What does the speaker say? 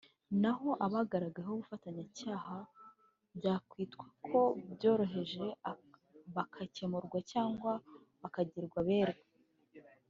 naho abagaragayeho ubufatanyacyaha byakwitwa ko byoroheje bakarekurwa cyangwa bakagirwa abere